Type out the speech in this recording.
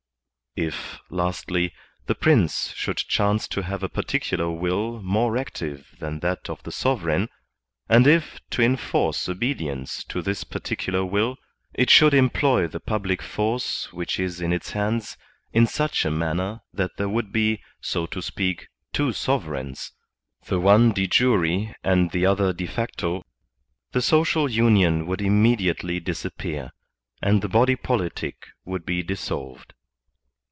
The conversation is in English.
If, lastly, the Prince should chance to have a particular will more active than that of the sovereign, and if, to enforce obedience to this particular will, it should employ the public force which is in its hands, in such a manner that there would be, so to speak, two sovereigns, the one de jure and the other de facto^ the social union would im mediately disappear, and the body politic would be dissolved.